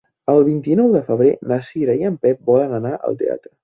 El vint-i-nou de febrer na Cira i en Pep volen anar al teatre.